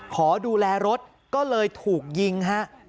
ขอดูแลรถก็เลยถูกยิงฮะ